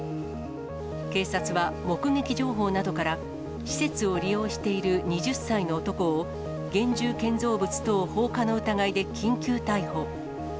警察は、目撃情報などから、施設を利用している２０歳の男を、現住建造物等放火の疑いで緊急逮捕。